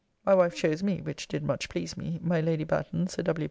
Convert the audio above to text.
] My wife chose me, which did much please me; my Lady Batten Sir W.